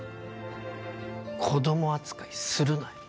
子供扱いするな。